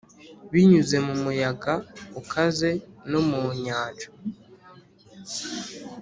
binyuze mu muyaga ukaze no mu nyanja.